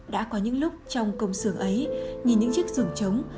đã có những lúc trong công sường ấy nhìn những chiếc giường trống